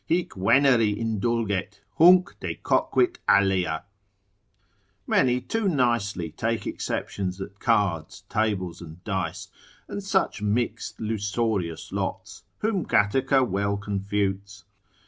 Hic Veneri indulget, hunc decoquit alea—many too nicely take exceptions at cards, tables, and dice, and such mixed lusorious lots, whom Gataker well confutes.